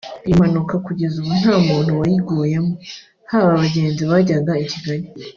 Iyi mpanuka kugeza ubu nta muntu wayiguyemo haba abagenzi bajyaga i Kigali